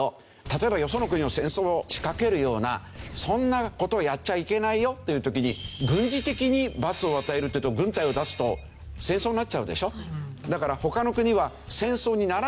例えばよその国に戦争を仕掛けるようなそんな事はやっちゃいけないよっていう時に軍事的に罰を与えるっていうと軍隊を出すと戦争になっちゃうでしょ。